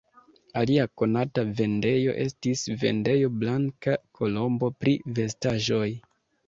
Alia konata vendejo estis vendejo Blanka Kolombo pri vestaĵoj.